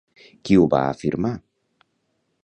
Qui ho va afirmar?